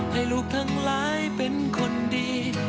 ให้ลูกทั้งหลายเป็นคนดี